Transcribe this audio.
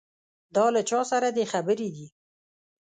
دا له چا سره دې خبرې دي.